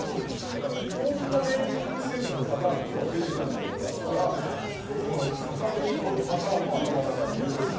だから色んなネーミングセンスのパターンが今日は出てくると思いますから一つこの逆手に取るパターンも頭の中に入れておいて。